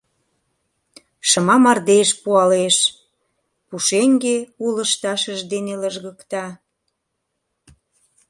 Шыма мардеж пуалеш, пушеҥге у лышташыж дене лыжгыкта.